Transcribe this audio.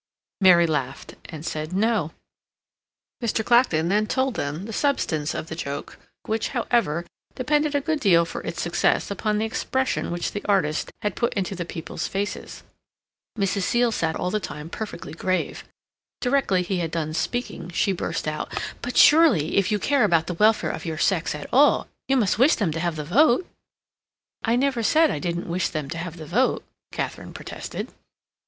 Mary laughed, and said "No." Mr. Clacton then told them the substance of the joke, which, however, depended a good deal for its success upon the expression which the artist had put into the people's faces. Mrs. Seal sat all the time perfectly grave. Directly he had done speaking she burst out: "But surely, if you care about the welfare of your sex at all, you must wish them to have the vote?" "I never said I didn't wish them to have the vote," Katharine protested.